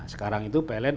sekarang itu pln